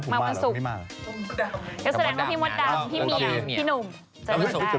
ก็แสดงว่าพี่มดดำพี่เหมียวพี่หนุ่ม